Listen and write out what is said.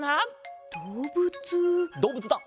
どうぶつだ！